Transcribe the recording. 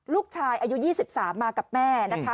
ลูกชายอายุ๒๓มากับแม่นะคะ